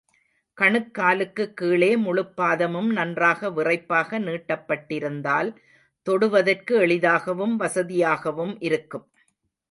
கணுக்காலுக்குக்கீழே முழுப் பாதமும் நன்றாக விறைப்பாக நீட்டப்பட்டிருந்தால், தொடுவதற்கு எளிதாகவும், வசதியாகவும் இருக்கும்.